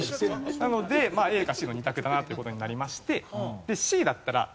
なのでＡかＣの２択だなっていう事になりまして。